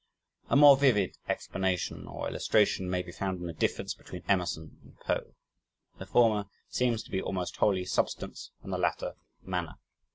A more vivid explanation or illustration may be found in the difference between Emerson and Poe. The former seems to be almost wholly "substance" and the latter "manner."